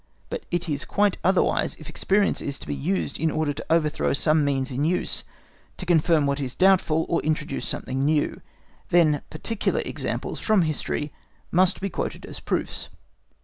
But it is quite otherwise if experience is to be used in order to overthrow some means in use, to confirm what is doubtful, or introduce something new; then particular examples from history must be quoted as proofs.